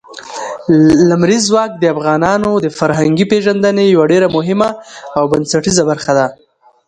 لمریز ځواک د افغانانو د فرهنګي پیژندنې یوه ډېره مهمه او بنسټیزه برخه ده.